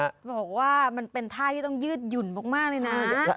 เขาบอกว่ามันเป็นท่าที่ต้องยืดหยุ่นมากเลยนะ